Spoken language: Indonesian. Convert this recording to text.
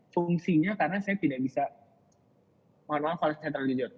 fungsinya karena saya tidak bisa mohon maaf kalau saya terlalu jujur